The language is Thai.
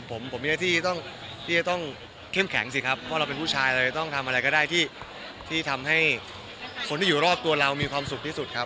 ผมผมมีหน้าที่ต้องที่จะต้องเข้มแข็งสิครับเพราะเราเป็นผู้ชายเราจะต้องทำอะไรก็ได้ที่ทำให้คนที่อยู่รอบตัวเรามีความสุขที่สุดครับ